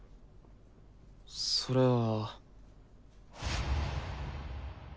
それは。